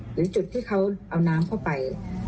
หรือจุดที่เขาเอาน้ำเข้าไป